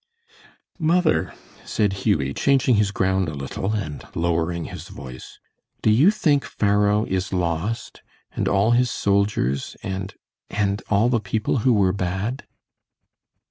"Mother," said Hughie, changing his ground a little, and lowering his voice, "do you think Pharaoh is lost, and all his soldiers, and and all the people who were bad?"